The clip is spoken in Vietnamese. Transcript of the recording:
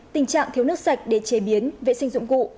tình trạng thiếu nước sạch để chế biến vệ sinh dụng cụ